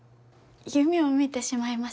夢を見てしまいました。